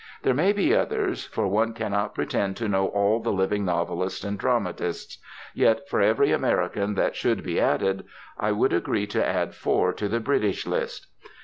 There may be others, for one cannot pretend to know all the living novelists and dramatists. Yet for every American that should be added, I would agree to add four to the British list.